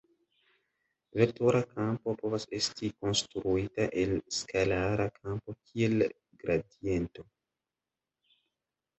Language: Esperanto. Vektora kampo povas esti konstruita el skalara kampo kiel gradiento.